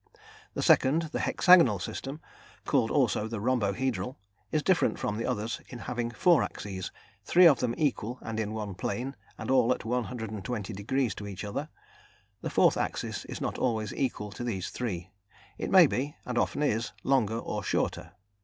The second, the hexagonal system called also the rhombohedral is different from the others in having four axes, three of them equal and in one plane and all at 120° to each other; the fourth axis is not always equal to these three. It may be, and often is, longer or shorter.